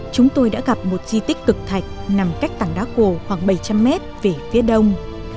chúng tôi đã gặp một di tích cực thạch nằm cách tảng đá cổ khoảng bảy trăm linh mét về phía đông